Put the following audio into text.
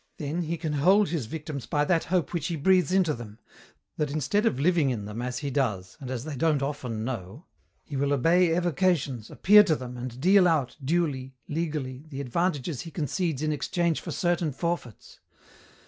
Then, he can hold his victims by that hope which he breathes into them, that instead of living in them as he does, and as they don't often know, he will obey evocations, appear to them, and deal out, duly, legally, the advantages he concedes in exchange for certain forfeits.